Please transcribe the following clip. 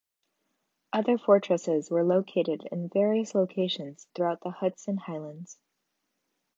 Other fortresses were located in various locations throughout the Hudson Highlands.